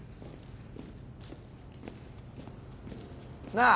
なあ。